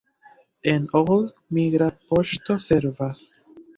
En Old migra poŝto servas.